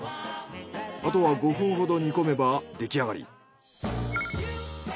あとは５分ほど煮込めば出来上がり。